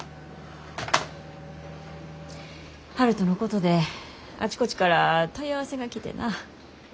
悠人のことであちこちから問い合わせが来てな。